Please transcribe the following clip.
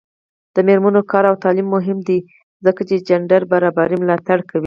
د میرمنو کار او تعلیم مهم دی ځکه چې جنډر برابرۍ ملاتړ کوي.